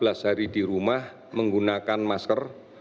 agar selama empat belas hari di rumah menggunakan masker